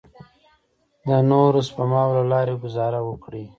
د نورو سپماوو له لارې ګوزاره وکړئ.